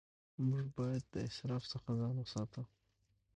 موږ باید د اسراف څخه ځان وساتو